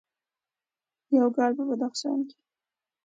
یو کال په بدخشان کې: